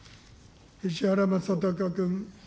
石原正敬君。